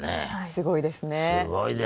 すごいですね。